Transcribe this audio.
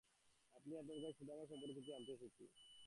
আমি আপনার কাছে সুধাময়বাবু সম্পর্কে কিছু জানতে এসেছি।